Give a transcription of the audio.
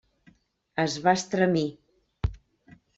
Es va estremir.